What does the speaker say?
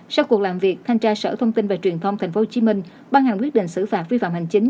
sau cuộc làm việc thanh tra sở thông tin và truyền thông tp hcm ban hành quyết định xử phạt vi phạm hành chính